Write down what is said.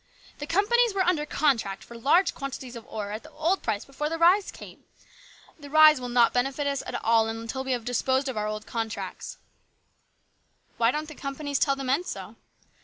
" The companies were under contract for large quantities of ore at the old price before this rise came. The rise will not benefit us at all until we have disposed of our old contracts." " Why don't the companies tell the men so